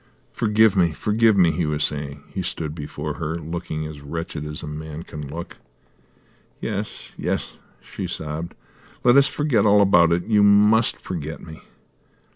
"Forgive me, forgive me," he was saying. He stood before her, looking as wretched as a man can look. "Yes, yes," she sobbed. "Let us forget all about it. You must forget me."